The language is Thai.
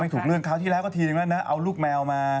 ถูกเลื่อนคราวที่แล้วก็ทีนึงแล้วนะเอาลูกแมวมา